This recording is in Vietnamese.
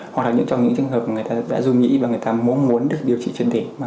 hoặc là trong những trường hợp người ta đã dung nghĩ và người ta mong muốn được điều trị triệt định